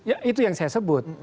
ya itu yang saya sebut